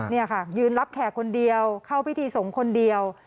นี่ค่ะยืนรับแขกคนเดียวเข้าพิธีสงฆ์คนเดียว